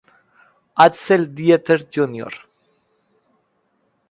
Axel Dieter Jr.